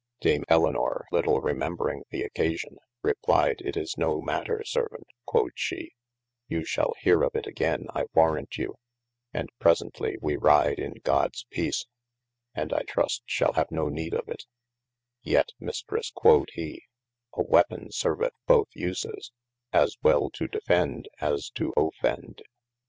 Dame Elinor litle remembring the occasion, replied it is no matter servaunt, quod she, you shall heare of it againe, I warrant you, and presently wee ryde in Gods 411 THE ADVENTURES peace, and I trust shall have no neede of it : yet Mistres quod he, a we*apo serveth both uses, as well to defed, as to offend.